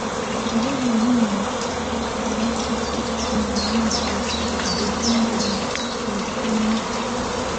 kurudi nyuma kwa watu kisayansi kiufundi na kiuchumi